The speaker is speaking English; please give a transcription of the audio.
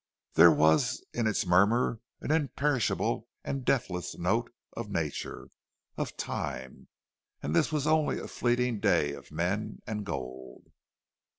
There was in its murmur an imperishable and deathless note of nature, of time; and this was only a fleeting day of men and gold.